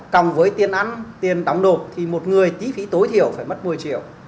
còn với tiền ăn tiền đóng nộp thì một người tí phí tối thiểu phải mất một mươi triệu